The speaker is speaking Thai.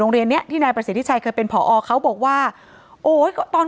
เนี้ยที่นายประสิทธิชัยเคยเป็นผอเขาบอกว่าโอ้ยตอน